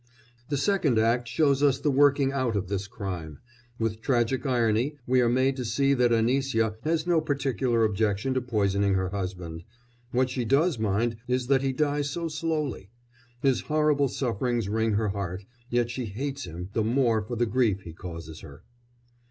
The second act shows us the working out of this crime: with tragic irony we are made to see that Anisya has no particular objection to poisoning her husband; what she does mind is that he dies so slowly; his horrible sufferings wring her heart, yet she hates him the more for the grief he causes her.